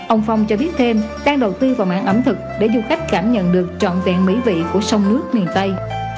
ông phong cho biết thêm đang đầu tư vào mảng ẩm thực để du khách cảm nhận được trọn vẹn mỹ vị của sông nước miền tây